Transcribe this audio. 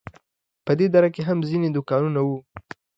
په دې دره کې هم ځینې دوکانونه وو.